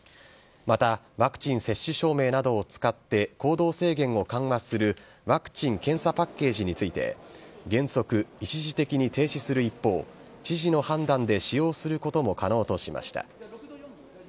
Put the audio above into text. また、ワクチン接種証明などを使って行動制限を緩和するワクチン・検査パッケージについて、原則、一時的に停止する一方、知事の判断で使用することも可能としました。